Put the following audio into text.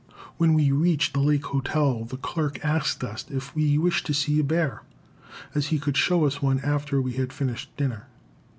When we reached the Lake Hotel, the clerk asked us if we wished to see a bear, as he could show us one after we had finished dinner.